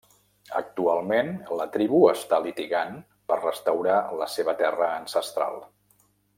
Actualment la tribu està litigant per restaurar la seva terra ancestral.